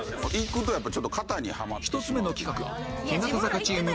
１つ目の企画日向坂チーム